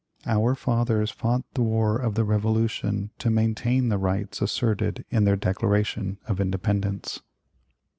Our fathers fought the war of the Revolution to maintain the rights asserted in their Declaration of Independence."